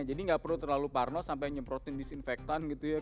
jadi gak perlu terlalu parno sampai nyemprotin disinfektan gitu ya